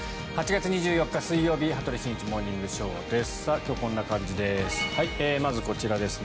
８月２４日、水曜日「羽鳥慎一モーニングショー」。今日はこんな感じです。